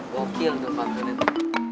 bokil tuh mantan itu